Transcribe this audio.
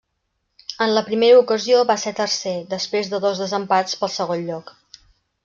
En la primera ocasió va ser tercer, després de dos desempats pel segon lloc.